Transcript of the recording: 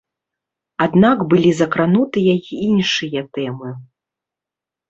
Аднак былі закранутыя і іншыя тэмы.